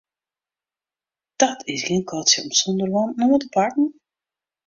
Dat is gjin katsje om sûnder wanten oan te pakken.